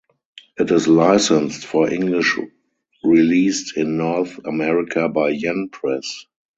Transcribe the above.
It is licensed for English released in North America by Yen Press.